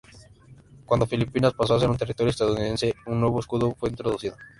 Cuando Filipinas pasó a ser territorio estadounidense, un nuevo escudo fue introducido.